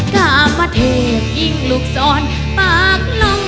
กะมาเทพยิ่งลูกซอน